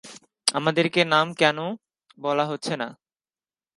আমাদেরকে নাম কেন বলা হচ্ছে না?